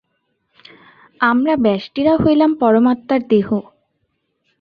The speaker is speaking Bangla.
আমরা ব্যষ্টিরা হইলাম পরমাত্মার দেহ।